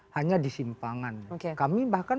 hanya disimpangan kami bahkan